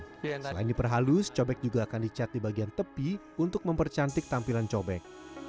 selain diperhalus cobek juga akan dicet di bagian tepi untuk mempercantik tampilan cobek